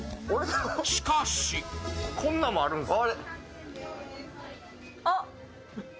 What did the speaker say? しかしこんなんもあるんですね。